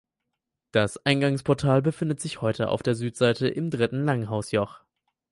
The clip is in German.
Das Eingangsportal befindet sich heute auf der Südseite im dritten Langhausjoch.